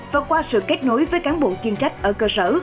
và qua sự kết nối với cán bộ chuyên trách ở cơ sở